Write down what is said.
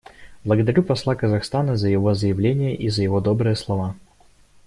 Благодарю посла Казахстана за его заявление и за его добрые слова.